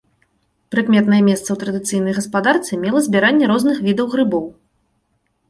Прыкметнае месца ў традыцыйнай гаспадарцы мела збіранне розных відаў грыбоў.